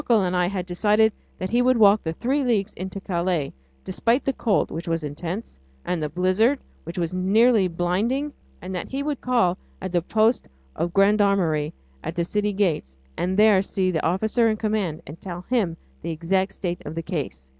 Hercule and I had decided that he would walk the three leagues into Calais, despite the cold, which was intense, and the blizzard, which was nearly blinding, and that he would call at the post of gendarmerie at the city gates, and there see the officer in command and tell him the exact state of the case.